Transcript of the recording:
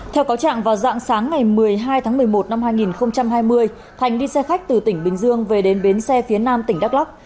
theo cáo trạng vào dạng sáng ngày một mươi hai tháng một mươi một năm hai nghìn hai mươi thành đi xe khách từ tỉnh bình dương về đến bến xe phía nam tỉnh đắk lắc